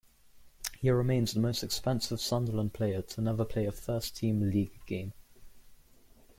He remains the most expensive Sunderland player to never play a first-team league game.